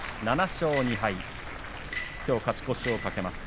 ７勝２敗きょう勝ち越しを懸けます。